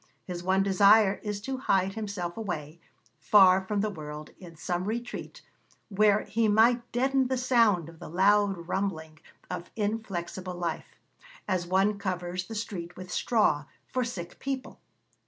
His one desire is to 'hide himself away, far from the world, in some retreat, where he might deaden the sound of the loud rumbling of inflexible life, as one covers the street with straw, for sick people.'